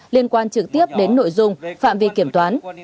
liên quan trực tiếp đến nội dung phạm vi kiểm toán